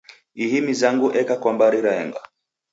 Ihi mizango eka kwa mbari raenga.